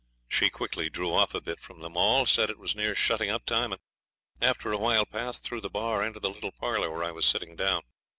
She quickly drew off a bit from them all; said it was near shutting up time, and, after a while, passed through the bar into the little parlour where I was sitting down.